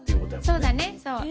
そうだねそう。